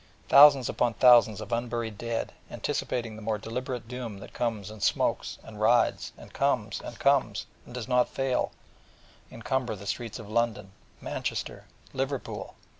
Thousands upon thousands of unburied dead, anticipating the more deliberate doom that comes and smokes, and rides and comes and comes, and does not fail, encumber the streets of London, Manchester, Liverpool.